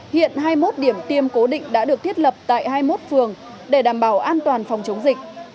hiện hai mươi một điểm tiêm cố định đã được thiết lập tại hai mươi một phường để đảm bảo an toàn phòng chống dịch